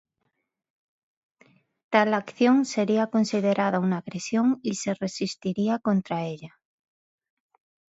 Tal acción sería considerada una agresión y se resistiría contra ella.